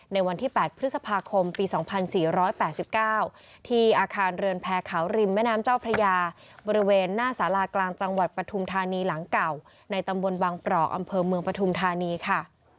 ในวันที่๘พฤษภาคมปี๒๔๘๙ที่อาคารเรือนแพร่เขาริมแม่น้ำเจ้าพระยาบริเวณหน้าสารากลางจังหวัดปฐุมธานีหลังเก่าในตำบลวังเปราะอำเภอเมืองปฐุมธานีค่ะ